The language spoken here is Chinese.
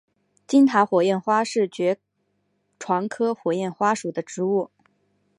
金塔火焰花是爵床科火焰花属的植物。